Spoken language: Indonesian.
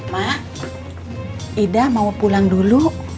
mak ida mau pulang dulu